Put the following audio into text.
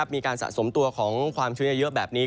มีการสะสมตัวของความชื้นเยอะแบบนี้